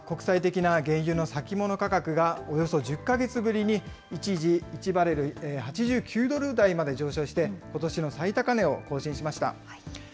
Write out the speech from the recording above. ニューヨーク原油市場は国際的な原油の先物価格がおよそ１０か月ぶりに一時１バレル８９ドル台まで上昇して、ことしの最高値を更新しました。